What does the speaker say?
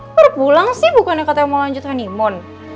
udah pulang sih bukannya katanya mau lanjut honeymoon